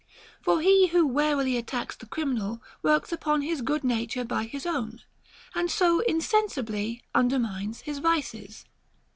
For he who warily attacks the criminal works upon his good nature by his own, and so insensibly under mines his vices.